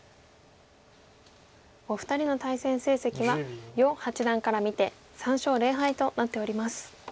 お二人の対戦成績は余八段から見て３勝０敗となっております。